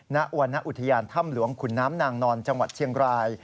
ณวรรณอุทยานถ้ำหลวงขุนน้ำนางนอนจังหวัดเชียงราย